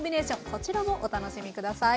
こちらもお楽しみ下さい。